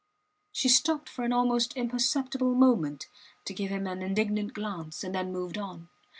She stopped for an almost imperceptible moment to give him an indignant glance, and then moved on.